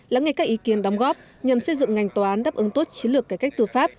lắng nghe các ý kiến đóng góp nhằm xây dựng ngành tòa án đáp ứng tốt chiến lược cải cách tư pháp